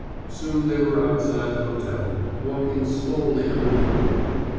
Soon they were outside the hotel, walking slowly under the moon.